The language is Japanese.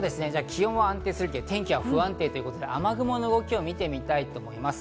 気温は安定するけど天気は不安定ということで雨雲の動きを見てみたいと思います。